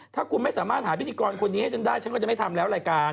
ถ้าคุณไม่สามารถหาพิธีกรคนนี้ให้ฉันได้ฉันก็จะไม่ทำแล้วรายการ